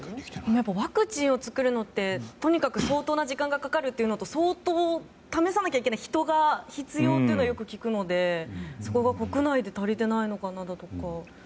やっぱワクチンを作るのって相当な時間がかかるというのと相当、試さなきゃいけない人が必要というのはよく聞くので、そこが国内で足りてないのかとか。